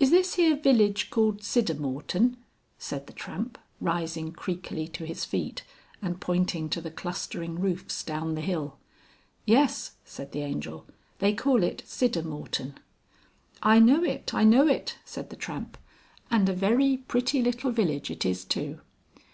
"Is this here village called Siddermorton?" said the Tramp, rising creakily to his feet and pointing to the clustering roofs down the hill. "Yes," said the Angel, "they call it Siddermorton." "I know it, I know it," said the Tramp. "And a very pretty little village it is too."